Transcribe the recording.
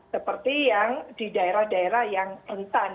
seperti yang di daerah daerah yang rentan